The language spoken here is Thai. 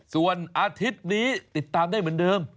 ส่วนอาทิตย์นี้ติดตามได้เหมือนเดิม